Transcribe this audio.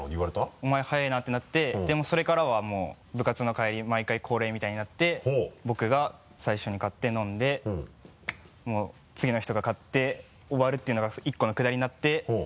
お前速いなってなってでそれからはもう部活の帰り毎回恒例みたいになって僕が最初に買って飲んで次の人が買って終わるっていうのが一個のくだりになってほぉ。